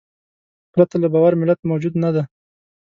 پرته له باور ملت موجود نهدی.